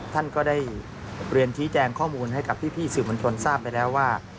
ท่านก็ได้เรียนชี้แจงข้อมูลให้กับพี่สื่อมวลชนทราบไปแล้วว่า